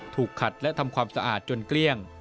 ถูกขัดและทำความสะอาดจนเกลี้ยง